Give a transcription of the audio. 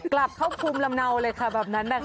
กลับเข้าภูมิลำเนาเลยค่ะแบบนั้นนะคะ